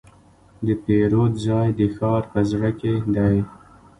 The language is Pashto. د پیرود ځای د ښار په زړه کې دی.